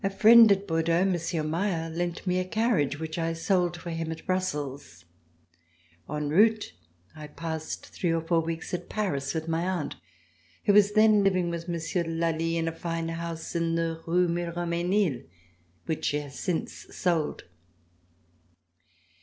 A friend at Bordeaux, Monsieur Meyer, lent me a carriage which I sold for him at Brussels. En route I passed three or four weeks at Paris with my aunt, who was then living with Monsieur de Lally in a fine house, in the Rue de Miromesnil which she has since sold.